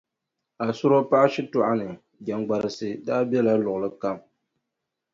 Asuro paɣa shitɔɣu ni, jaŋgbarisi daa bela luɣili kam.